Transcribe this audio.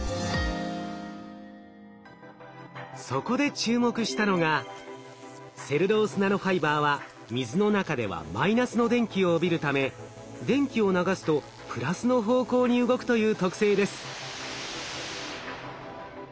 そこで注目したのがセルロースナノファイバーは水の中ではマイナスの電気を帯びるため電気を流すとプラスの方向に動くという特性です。